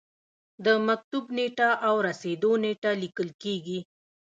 د مکتوب نیټه او رسیدو نیټه لیکل کیږي.